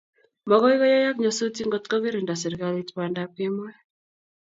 Makoi koyayak nyasutik ngotko kirinda serikalit bandap kemoi